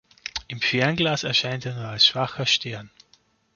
Im Fernglas erscheint er nur als schwacher Stern.